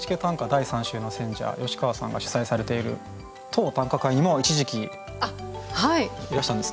第３週の選者吉川さんが主宰されている「塔短歌会」にも一時期いらしたんですね。